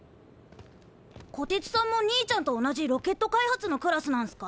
こてつさんも兄ちゃんと同じロケット開発のクラスなんすか？